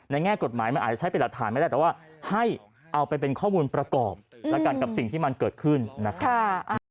แง่กฎหมายมันอาจจะใช้เป็นหลักฐานไม่ได้แต่ว่าให้เอาไปเป็นข้อมูลประกอบแล้วกันกับสิ่งที่มันเกิดขึ้นนะครับ